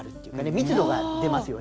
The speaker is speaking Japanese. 密度がでますよね。